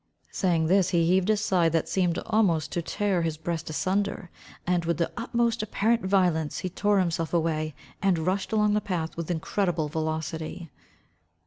Saying this, he heaved a sigh that seemed almost to tear his breast asunder, and with the utmost apparent violence he tore himself away, and rushed along the path with incredible velocity.